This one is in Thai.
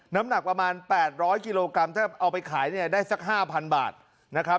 น้ำหนักประมาณ๘๐๐กิโลกรัมถ้าเอาไปขายเนี่ยได้สัก๕๐๐บาทนะครับ